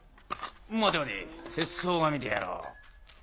待て待て拙僧が見てやろう。